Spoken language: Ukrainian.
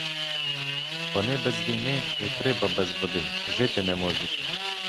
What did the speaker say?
Вони без війни, як риба без води, жити не можуть.